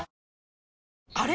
あれ？